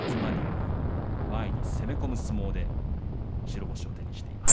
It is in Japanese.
前に攻め込む相撲で白星を手にしています。